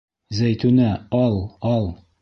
Зәйтүнә, ал, ал!